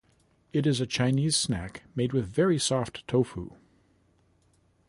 It is a Chinese snack made with very soft tofu.